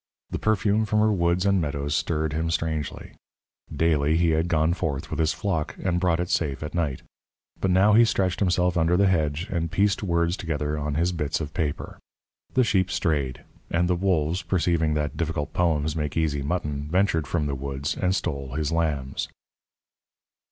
The perfume from her woods and meadows stirred him strangely. Daily had he gone forth with his flock, and brought it safe at night. But now he stretched himself under the hedge and pieced words together on his bits of paper. The sheep strayed, and the wolves, perceiving that difficult poems make easy mutton, ventured from the woods and stole his lambs.